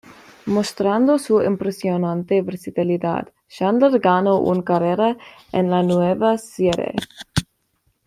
Mostrando su impresionante versatilidad, Chandler ganó una carrera en la nueva serie.